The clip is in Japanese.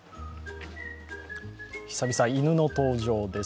久々、犬の登場です。